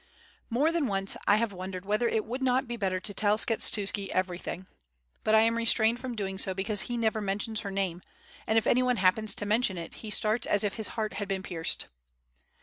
"More than once I have wondered whether it would not be better to tell Skshetuski everything. But I am restrained from doing so because he never mentions her name, and if any one happens to mention it he starts as if his heart had been pierced."